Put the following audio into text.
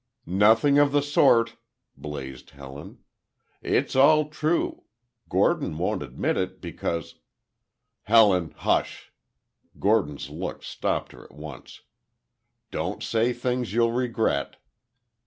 "Nothing of the sort!" blazed Helen. "It's all true. Gordon won't admit it because—" "Helen, hush!" Gordon's look stopped her at once. "Don't say things you'll regret."